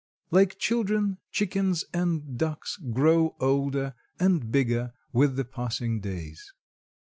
Like children, chickens and ducks grow older and bigger with the passing days.